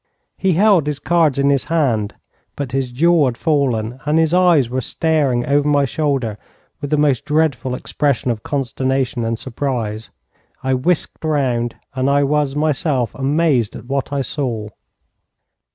He held his cards in his hand, but his jaw had fallen, and his eyes were staring over my shoulder with the most dreadful expression of consternation and surprise. I whisked round, and I was myself amazed at what I saw.